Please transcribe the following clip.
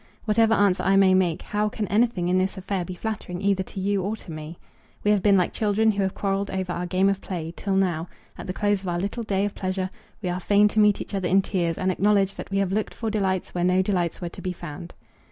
Whatever answer I may make, how can anything in this affair be flattering either to you or to me? We have been like children who have quarrelled over our game of play, till now, at the close of our little day of pleasure, we are fain to meet each other in tears, and acknowledge that we have looked for delights where no delights were to be found.